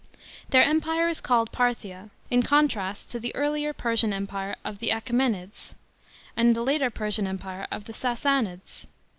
Their empire is called Parthia, in contrast to the earlier Persian empire of the Achsemenids, and the later Persian empire of the Sassanids.